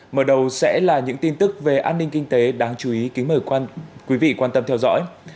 mở đầu sẽ là những tin tức về an ninh kinh tế đáng chú ý kính mời quý vị quan tâm theo dõi